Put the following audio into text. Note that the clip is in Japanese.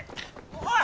おい！